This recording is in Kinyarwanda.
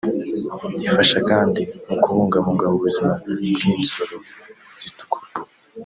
ifasha kandi mu kubungabunga ubuzima bw’insoro zitukura